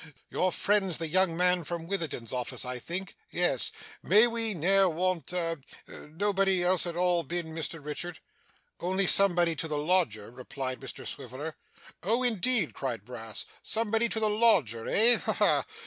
Your friend's the young man from Witherden's office I think yes May we ne'er want a Nobody else at all, been, Mr Richard?' 'Only somebody to the lodger,' replied Mr Swiveller. 'Oh indeed!' cried Brass. 'Somebody to the lodger eh? Ha ha!